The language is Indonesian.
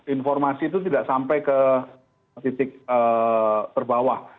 informasi itu tidak sampai ke titik terbawah